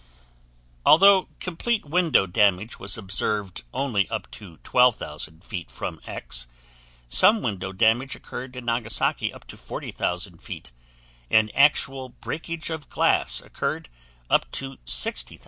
Although complete window damage was observed only up to 12,000 feet from X, some window damage occurred in Nagasaki up to 40,000 feet, and actual breakage of glass occured up to 60,000 feet.